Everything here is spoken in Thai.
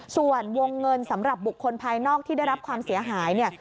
ส่วนวงเงินสำหรับบุคคลภายนอกที่ได้รับความเสียหายเนี่ย